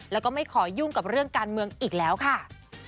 แล้วก็ไม่ขอยุ่งกับเรื่องการเมืองอีกแล้วค่ะ